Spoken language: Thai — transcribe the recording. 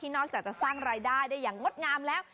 นอกจากจะสร้างรายได้ได้อย่างงดงามแล้ว